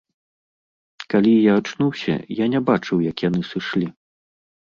Калі я ачнуўся, я не бачыў як яны сышлі.